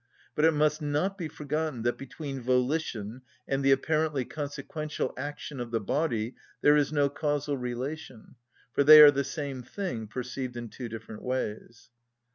But it must not be forgotten that between volition and the apparently consequential action of the body there is no causal relation, for they are the same thing perceived in two different ways.